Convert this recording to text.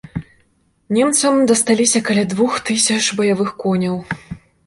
Немцам дасталіся каля двух тысяч баявых коняў.